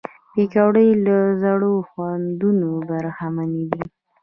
پکورې له زړو خوندونو برخمنې دي